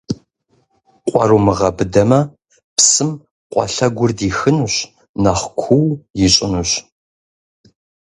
Къуэр умыгъэбыдэмэ, псым къуэ лъэгур дихынущ, нэхъ куу ищӀынущ.